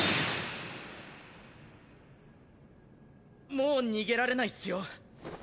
もう逃げられないっすよ。